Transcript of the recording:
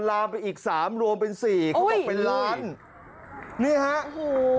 ลามไปอีกสามรวมเป็นสี่เขาบอกเป็นล้านนี่ฮะโอ้โห